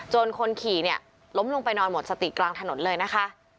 คนขี่เนี่ยล้มลงไปนอนหมดสติกลางถนนเลยนะคะ